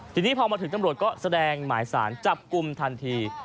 ทีนี้พอมาถึงตำรวจก็แสดงหมายสารจับกลุ่มทันที